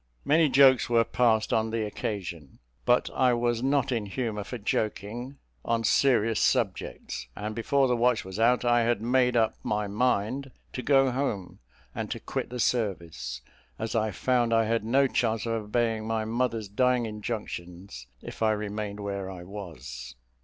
Many jokes were passed on the occasion; but I was not in humour for joking on serious subjects: and before the watch was out I had made up my mind to go home, and to quit the service, as I found I had no chance of obeying my mother's dying injunctions if I remained where I was.